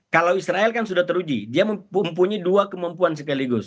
kalau israel kan sudah teruji dia mempunyai dua kemampuan sekaligus